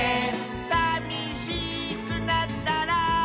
「さみしくなったら」